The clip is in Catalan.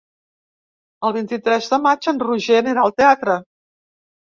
El vint-i-tres de maig en Roger anirà al teatre.